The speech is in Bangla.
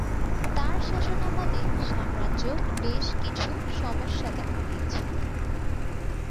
তার শাসনামলে সাম্রাজ্যে বেশ কিছু সমস্যা দেখা দিয়েছিল।